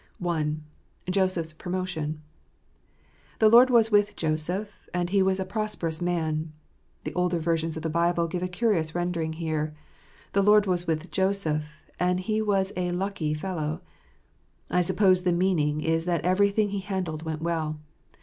I. Joseph's Promotion. — "The Lord was with Joseph , and he was a prosperous man." The older versions of the Bible give a curious rendering here "The Lord was with Joseph ; and he was a luckie fellow." I suppose the meaning is that everything he handled went well.